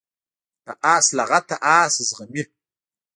د آس لغته آس زغمي.